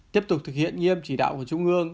tiếp tục thực hiện nghiêm chỉ đạo của trung ương